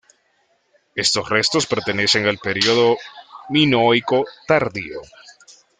Estos restos pertenecen al periodo minoico tardío.